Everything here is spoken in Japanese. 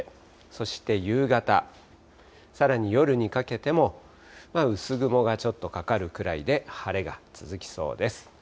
そして夕方、さらに夜にかけても、薄雲がちょっとかかるくらいで晴れが続きそうです。